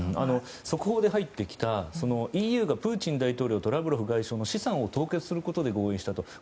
速報で入ってきたＥＵがプーチン大統領とラブロフ外相の資産を凍結することで合意したと。